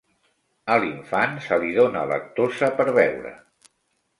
A l'infant se li dona lactosa per beure.